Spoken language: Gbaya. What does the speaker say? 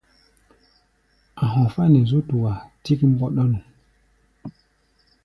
A̧ hɔfá̧ nɛ zú tua tík mbɔ́ɗɔ́nu.